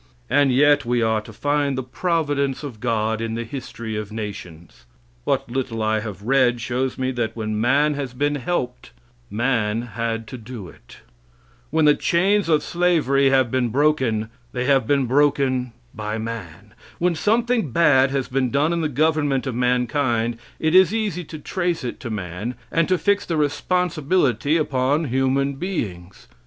And yet we are to find the providence of God in the history of nations. What little I have read shows me that when man has been helped, man had to do it; when the chains of slavery have been broken, they have been broken by man; when something bad has been done in the government of mankind, it is easy to trace it to man, and to fix the responsibility upon human beings.